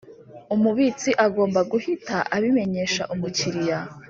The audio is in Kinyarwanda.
Umubitsi agomba guhita abimenyesha Umukiriya